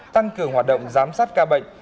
tăng cường hoạt động giám sát ca bệnh